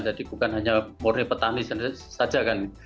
jadi bukan hanya murni petani saja kan